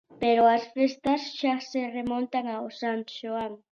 Pero as festas xa se remontan ao San Xoán.